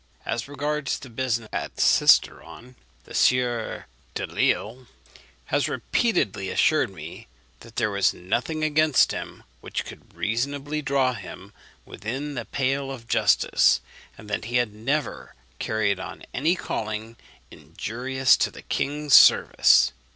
As regards the business at Cisteron, the Sieur Delisle has repeatedly assured me that there was nothing against him which could reasonably draw him within the pale of justice, and that he had never carried on any calling injurious to the king's service.